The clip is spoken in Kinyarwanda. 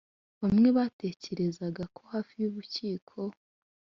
bamwe batekerezaga ko hafi yububiko.